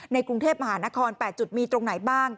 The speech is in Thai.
กรุงเทพมหานคร๘จุดมีตรงไหนบ้าง